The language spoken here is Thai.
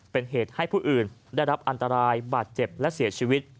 เป็นเหตุให้ผู้อื่นได้รับอันตรายบาดเจ็บและเสียชีวิต